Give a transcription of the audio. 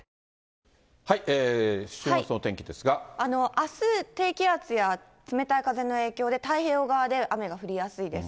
あす、低気圧や冷たい風の影響で、太平洋側で雨が降りやすいです。